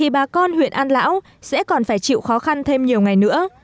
bà con đã đảm bảo sẽ còn phải chịu khó khăn thêm nhiều ngày nữa